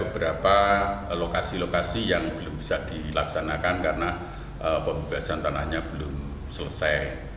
berapa lokasi lokasi yang belum bisa dilaksanakan karena pembebasan tanahnya belum selesai